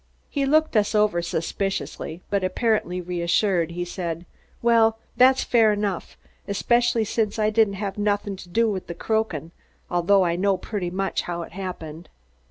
He looked us over suspiciously, but apparently reassured, he said: "Well, that's fair enough, especially since I didn't have nothin' to do with the croakin', although I know pretty much how it happened.